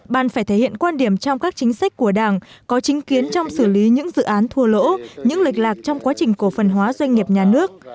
bàn phải thể hiện quan điểm trong các chính sách của đảng có chính kiến trong xử lý những dự án thua lỗ những lệch lạc trong quá trình cổ phần hóa doanh nghiệp nhà nước